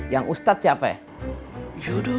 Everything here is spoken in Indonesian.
yang ustaz siapa ya